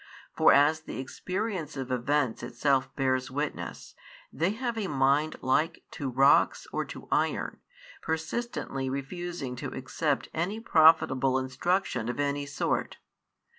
For as the experience of events itself bears witness, they have a mind like to rocks or to iron, persistently refusing to accept any profitable instruction of any sort.